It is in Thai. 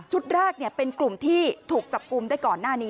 แรกเป็นกลุ่มที่ถูกจับกลุ่มได้ก่อนหน้านี้